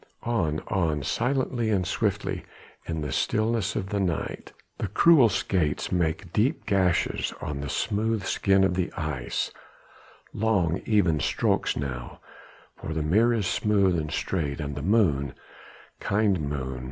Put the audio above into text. On, on! silently and swiftly, in the stillness of the night, the cruel skates make deep gashes on the smooth skin of the ice, long even strokes now, for the Meer is smooth and straight, and the moon kind moon!